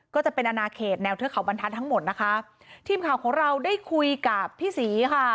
ก็จะเป็นอนาเขตแนวเทือกเขาบรรทัศน์ทั้งหมดนะคะทีมข่าวของเราได้คุยกับพี่ศรีค่ะ